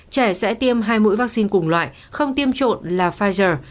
trẻ sẽ tiêm hai mũi vaccine cùng loại không tiêm trộn là pfizer